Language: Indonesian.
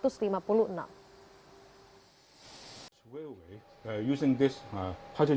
seperti yang kita harapkan